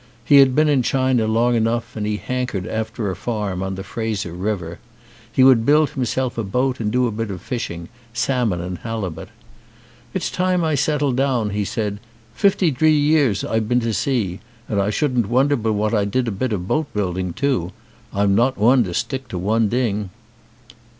He had been in China long enough, and he hankered after a farm on the Fraser River. He would build himself a boat and do a bit of fishing, salmon and halibut. "It's time I settled down," he said. "Fifty dree years I've been to sea. An' I shouldn't wonder but what I did a bit of boat building too. I'm not one to stick to one ding."